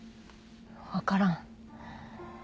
わからん。